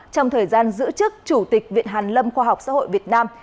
trong thời gian giữ chức chủ tịch viện hàn lâm khoa học xã hội việt nam